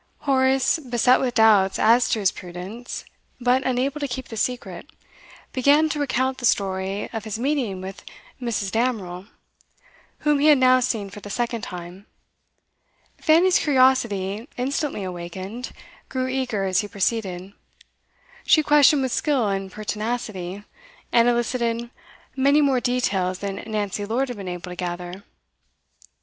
Horace, beset with doubts as to his prudence, but unable to keep the secret, began to recount the story of his meeting with Mrs. Damerel, whom he had now seen for the second time. Fanny's curiosity, instantly awakened, grew eager as he proceeded. She questioned with skill and pertinacity, and elicited many more details than Nancy Lord had been able to gather.